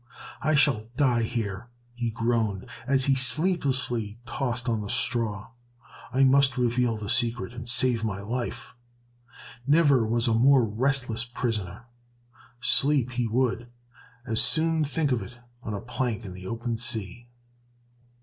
"I shall die here!" he groaned, as he sleeplessly tossed on the straw; "I must reveal the secret, and save my life!" Never was a more restless prisoner. Sleep! he would as soon think of it on a plank in the open sea.